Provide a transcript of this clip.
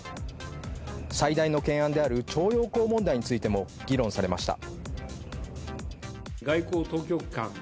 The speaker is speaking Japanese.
最大の懸案である徴用工問題についても議論されました。